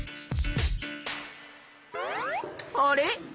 あれ？